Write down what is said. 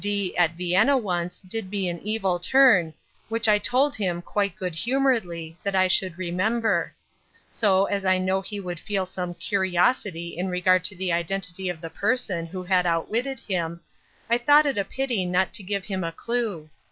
D——, at Vienna once, did me an evil turn, which I told him, quite good humoredly, that I should remember. So, as I knew he would feel some curiosity in regard to the identity of the person who had outwitted him, I thought it a pity not to give him a clue.